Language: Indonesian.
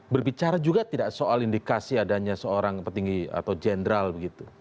berbicara juga tidak soal indikasi adanya seorang petinggi atau jenderal begitu